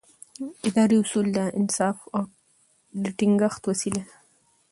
اداري اصول د انصاف د ټینګښت وسیله ده.